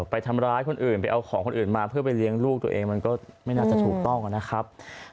ไปทำร้ายคนอื่นไปเอาของคนอื่นมาเพื่อไปเลี้ยงลูกตัวเองมันก็ไม่น่าจะถูกต้องนะครับ